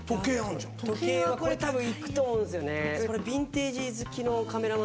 時計はこれたぶんいくと思うんすよね。